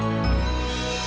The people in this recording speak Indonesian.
hubungi berapa orang